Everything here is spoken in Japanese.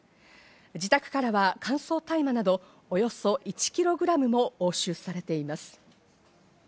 自宅からは乾燥大麻などおよそ１ｋｇが押収されています。